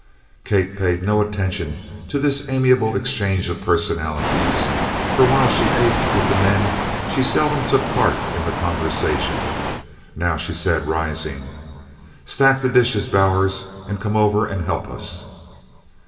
Kate paid no attention to this amiable exchange of personalities, for while she ate with the men she seldom took part in the conversation. Now she said, rising: "Stack the dishes, Bowers, and come over and help us."